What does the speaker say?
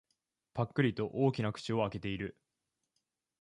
ぱっくりと大きな口を開けている。